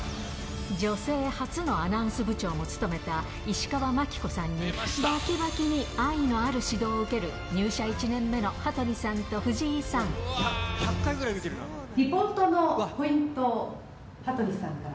女性初のアナウンス部長も務めた石川牧子さんに、ばきばきに愛のある指導を受ける、入社１年リポートのポイントを羽鳥さんから。